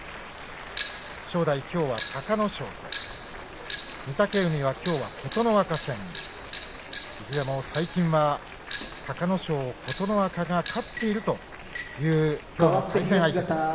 正代は隆の勝と御嶽海はきょう琴ノ若戦いずれも最近は隆の勝、琴ノ若が勝っているという対戦相手です。